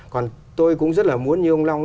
còn tôi cũng rất là muốn như ông long